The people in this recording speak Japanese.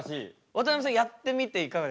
渡辺さんやってみていかがでした？